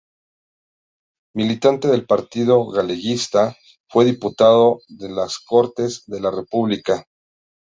Militante del Partido Galeguista, fue diputado en las Cortes de la República.